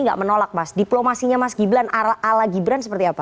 tidak menolak mas diplomasinya mas gibran ala gibran seperti apa